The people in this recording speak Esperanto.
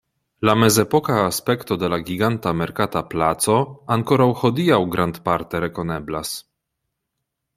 La mezepoka aspekto de la giganta merkata placo ankoraŭ hodiaŭ grandparte rekoneblas.